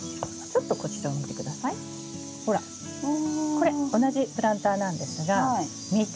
これ同じプランターなんですが見て。